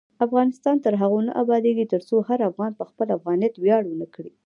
افغانستان تر هغو نه ابادیږي، ترڅو هر افغان په خپل افغانیت ویاړ ونه کړي.